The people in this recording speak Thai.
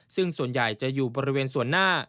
ซึ่งส่วนใหญ่จะอยู่บริเวณส่วนหน้า